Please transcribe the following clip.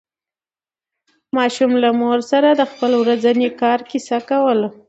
ماشوم له مور سره د خپل ورځني کار کیسه کوله